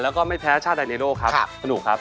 แล้วก็ไม่แพ้ชาติไดเนโดครับสนุกครับ